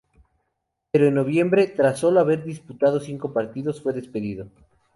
Pero en noviembre, tras solo haber disputado cinco partidos, fue despedido.